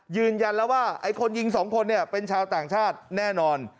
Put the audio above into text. ยืนยันแล้วว่าไอ้คนยิงสองคนเนี่ยเป็นชาวต่างชาติแน่นอน